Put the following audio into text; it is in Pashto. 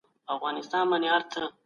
لېري زده کړه د زده کوونکي خپلواکي زیاتوي.